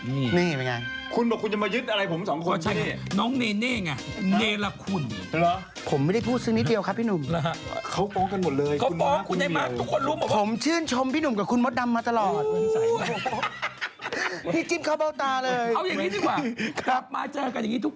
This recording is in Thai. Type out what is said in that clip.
เพราะว่าคุณบอกว่าคุณจะมายึดผมที